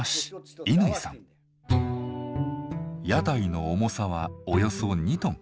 屋台の重さはおよそ２トン。